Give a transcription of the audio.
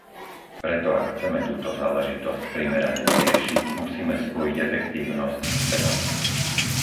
Preto ak chceme túto záležitosť primerane vyriešiť, musíme spojiť efektívnosť s cenou.